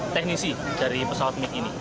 teknisi dari pesawat mic ini